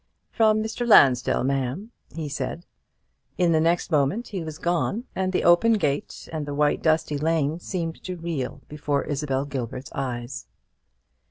"From Mr. Lansdell, ma'am," he said. In the next moment he was gone, and the open gate and the white dusty lane seemed to reel before Isabel Gilbert's eyes.